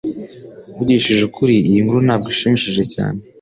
Mvugishije ukuri iyi nkuru ntabwo ishimishije cyane